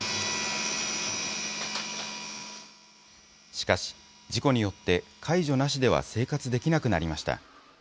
しかし、事故によって介助なしでは生活できなくなりました。